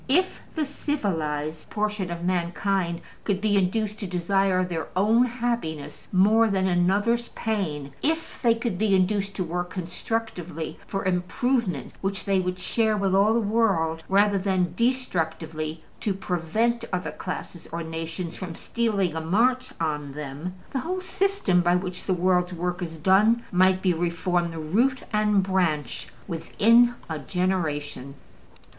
If the civilized portion of mankind could be induced to desire their own happiness more than another's pain, if they could be induced to work constructively for improvements which they would share with all the world rather than destructively to prevent other classes or nations from stealing a march on them, the whole system by which the world's work is done might be reformed root and branch within a generation.